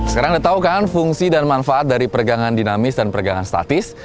sekarang anda tahu kan fungsi dan manfaat dari pergangan dinamis dan pergangan statis